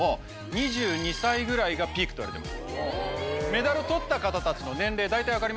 ２２歳ぐらいがピークといわれています。